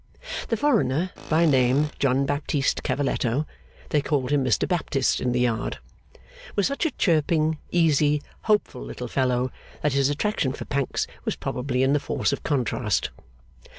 The foreigner, by name John Baptist Cavalletto they called him Mr Baptist in the Yard was such a chirping, easy, hopeful little fellow, that his attraction for Pancks was probably in the force of contrast.